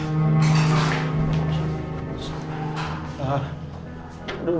terutama di indonesia